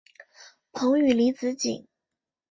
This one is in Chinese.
彭宁离子阱。